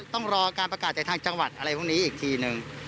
ต้องรอการประกาศจากทางจังหวัดอะไรพวกนี้อีกทีนึง